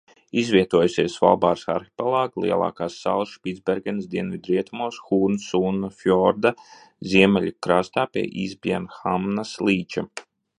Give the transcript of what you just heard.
Izvietojusies Svalbāras arhipelāga lielākās salas Špicbergenas dienvidrietumos Hūrnsunna fjorda ziemeļu krastā pie Īsbjērnhamnas līča.